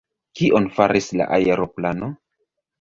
Kion faris la aeroplano?